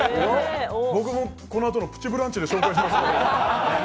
僕も、このあとの「プチブランチ」で紹介します！